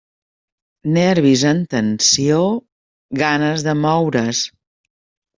Nervis en tensió, ganes de moure's.